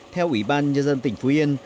theo ủy ban nhân dân tỉnh phú yên